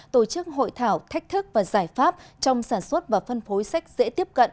tổ chức hội thảo thách thức và giải pháp trong sản xuất và phân phối sách dễ tiếp cận ở việt nam